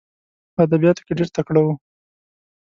په ادبیاتو کې ډېر تکړه وو.